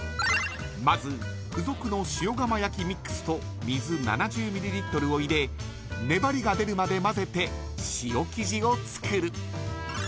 まず付属の塩釜焼ミックスと水７０ミリリットルを入れ粘りが出るまで混ぜて塩生地を作る。